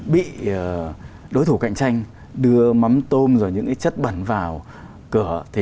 bị đối thủ cạnh tranh đưa mắm tôm rồi những chất bẩn vào cửa